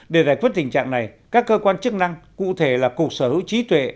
để giải quyết tình trạng này các cơ quan chức năng cụ thể là cục sở hữu trí tuệ